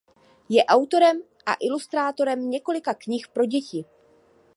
Je autorem a ilustrátorem několika knih pro děti.